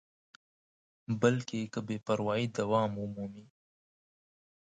بلکې که بې پروایي دوام ومومي.